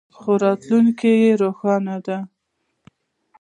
خو راتلونکی یې لا روښانه دی.